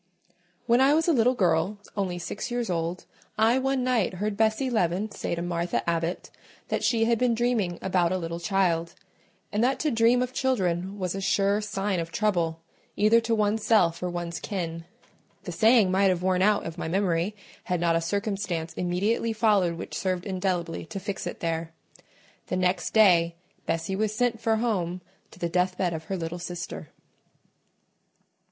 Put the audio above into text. When I was a little girl, only six years old, I one night heard Bessie Leaven say to Martha Abbot that she had been dreaming about a little child; and that to dream of children was a sure sign of trouble, either to one's self or one's kin. The saying might have worn out of my memory, had not a circumstance immediately followed which served indelibly to fix it there. The next day Bessie was sent for home to the deathbed of her little sister.